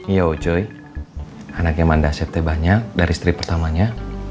iya ocoy anaknya mandasep teh banyak dari istri pertamanya